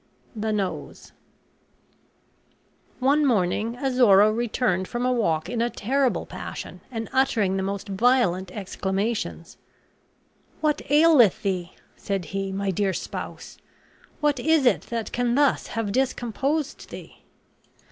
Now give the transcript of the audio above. THE NOSE One morning Azora returned from a walk in a terrible passion, and uttering the most violent exclamations. "What aileth thee," said he, "my dear spouse? What is it that can thus have discomposed thee?"